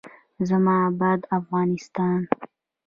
زما اباد افغانستان.